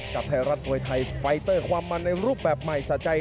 กับไทยรัฐมวยไทยไฟเตอร์ความมันในรูปแบบใหม่สะใจ